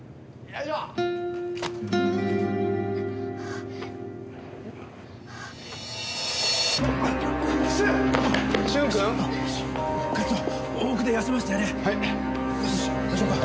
大丈夫か？